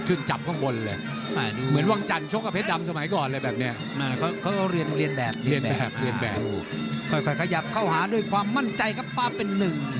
ขยับเข้าหานังขอบความมั่นใจฟ้าเป็นหนึ่ง